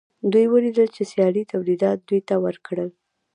دوی ولیدل چې سیالۍ تولیدات دوی ته ورکړل